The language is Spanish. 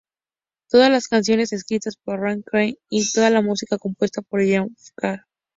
Todas las canciones escritas por Ryan Key y toda la música compuesta por Yellowcard.